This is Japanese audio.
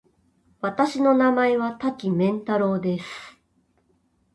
私の名前は多岐麺太郎です。